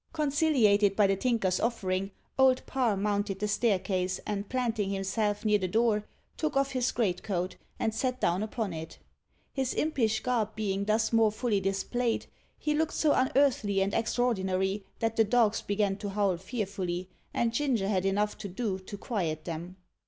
Conciliated by the Tinker's offering, Old Parr mounted the staircase, and planting himself near the door, took off his greatcoat, and sat down upon it. His impish garb being thus more fully displayed, he looked so unearthly and extraordinary that the dogs began to howl fearfully, and Ginger had enough to do to quiet them.